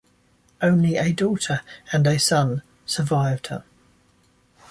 Only a daughter and a son survived her.